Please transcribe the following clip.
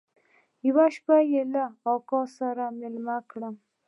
يوه شپه يې له اکا سره ميلمه کړم.